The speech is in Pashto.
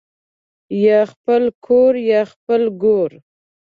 یا خپل کورریا خپل ګور